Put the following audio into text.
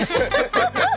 ハハハハ！